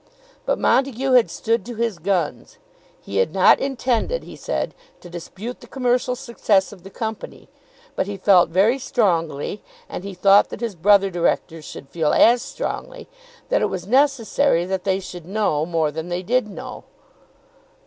But Montague had stood to his guns. He had not intended, he said, to dispute the commercial success of the company. But he felt very strongly, and he thought that his brother directors should feel as strongly, that it was necessary that they should know more than they did know.